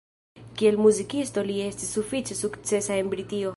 Kiel muzikisto li estis sufiĉe sukcesa en Britio.